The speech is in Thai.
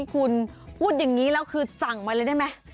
คุณพูดอย่างนี้แล้วคือสั่งมาเลยได้ไหม